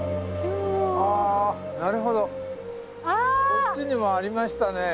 こっちにもありましたね。